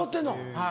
はい。